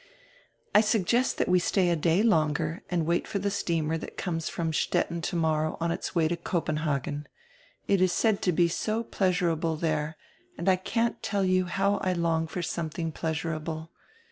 "I suggest diat we stay a day longer and wait for die steamer diat conies from Stettin tomorrow on its way to Copenhagen. It is said to he so pleasurahle there and I can't tell you how I long for some tiling pleasurahle.